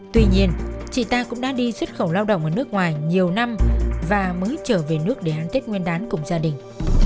tuy nhiên chị ta cũng đã đi xuất khẩu lao động ở nước ngoài nhiều năm và mới trở về nước để ăn tết nguyên đán cùng gia đình